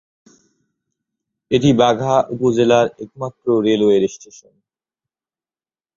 এটি বাঘা উপজেলার একমাত্র রেলওয়ে স্টেশন।